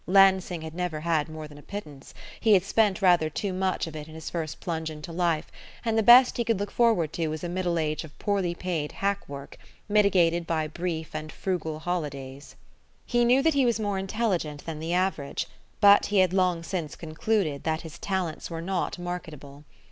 Lansing had never had more than a pittance; he had spent rather too much of it in his first plunge into life, and the best he could look forward to was a middle age of poorly paid hack work, mitigated by brief and frugal holidays. He knew that he was more intelligent than the average, but he had long since concluded that his talents were not marketable.